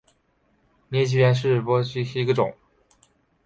拟岩蕨为鳞毛蕨科鳞毛蕨属下的一个种。